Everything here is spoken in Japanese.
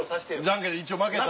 じゃんけんで一応負けた。